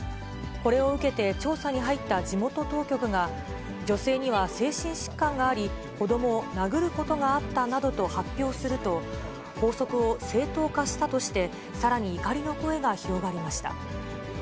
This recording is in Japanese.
これを受けて調査に入った地元当局が、女性には精神疾患があり、子どもを殴ることがあったなどと発表すると、拘束を正当化したとして、さらに怒りの声が広がりました。